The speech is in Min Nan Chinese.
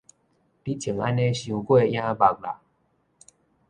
你穿按呢傷過影目啦